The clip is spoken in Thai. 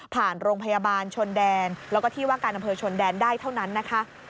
โรงพยาบาลชนแดนแล้วก็ที่ว่าการอำเภอชนแดนได้เท่านั้นนะคะ